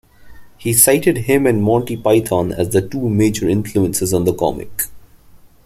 He cited him and Monty Python as the two major influences on the comic.